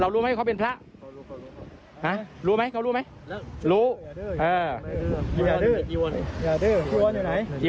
แล้วนี่เราเป็นพระอะไรเนี้ย